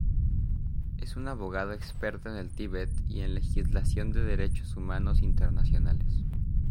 Es un abogado experto en el Tíbet y en legislación de derechos humanos internacionales.